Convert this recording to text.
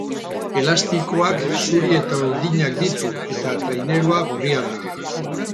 Elastikoak zuri eta urdinak ditu eta trainerua gorria da.